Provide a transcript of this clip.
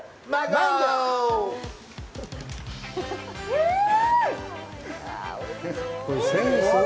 うん！